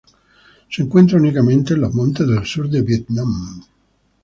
Se encuentra únicamente en los montes del sur de Vietnam.